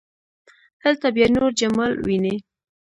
هلته بیا نور جمال ويني.